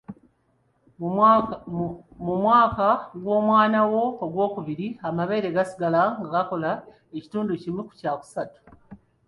Mu mwaka gw'omwana wo ogwokubiri, amabeere gasigala nga gakola ekitundu kimu kya kusatu .